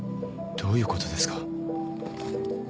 どういうことですか？